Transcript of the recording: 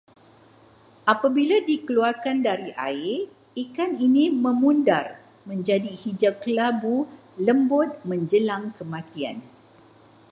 Apabila dikeluarkan dari air, ikan ini memudar menjadi hijau-kelabu lembut menjelang kematian